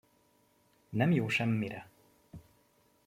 Nem jó semmire!